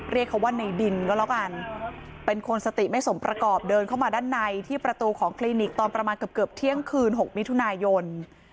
เรียกเขาว่าในดินก็แล้วกันเป็นคนสติไม่สมประกอบเดินเข้ามาด้านในที่ประตูของคลินิกตอนประมาณเกือบเที่ยงคืน๖มิถุนายน